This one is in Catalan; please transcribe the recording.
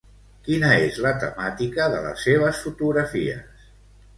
Quina és la temàtica de les seves fotografies?